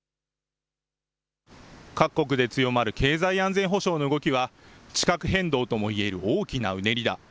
各国で強まる経済安全保障の動きは地殻変動とも言える大きなうねりだ。